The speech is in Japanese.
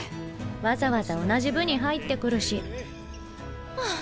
わざわざ同じ部に入ってくるしハァ。